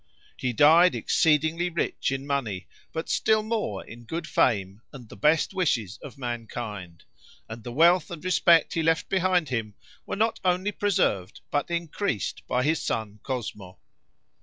He died exceedingly rich in money, but still more in good fame and the best wishes of mankind; and the wealth and respect he left behind him were not only preserved but increased by his son Cosmo.